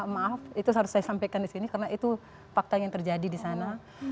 maaf itu harus saya sampaikan disini karena itu fakta yang terjadi disana